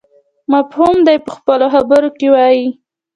مفهوم دې په خپلو خبرو کې ووایي.